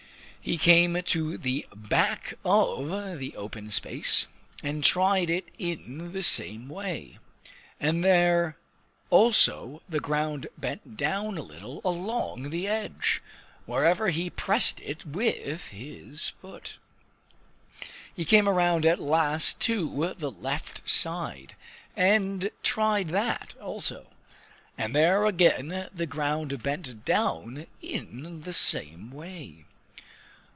He came to the back of the open space, and tried it in the same way. And there also the ground bent down a little along the edge, wherever he pressed it with his foot. He came around at last to the left side, and tried that also. And there again the ground bent down in the same way.